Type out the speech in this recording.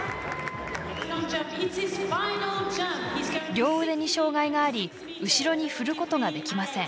両腕に障がいがあり後ろに振ることができません。